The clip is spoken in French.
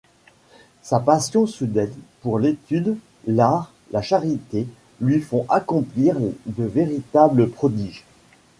Sa passion soudaine pour l'étude, l'art, la charité, lui font accomplir de véritables prodiges.